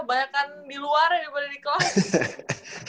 banyakan di luar daripada di kelas